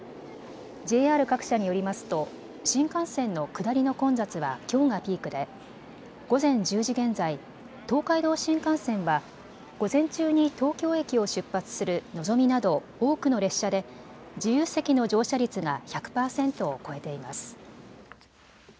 ＪＲ各社によりますと新幹線の下りの混雑はきょうがピークで午前１０時現在、東海道新幹線は午前中に東京駅を出発するのぞみなど多くの列車で自由席の乗車率が１００％を超えています。